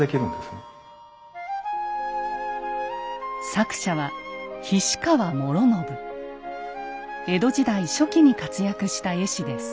作者は江戸時代初期に活躍した絵師です。